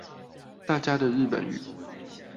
大家的日本語